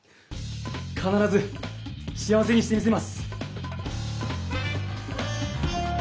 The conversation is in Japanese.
かならず幸せにしてみせます！